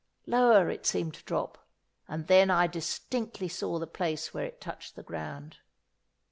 Lower it seemed to drop, and then I distinctly saw the place where it touched the ground.